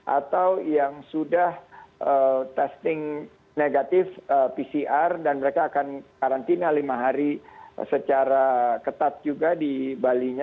atau yang sudah testing negatif pcr dan mereka akan karantina lima hari secara ketat juga di bali nya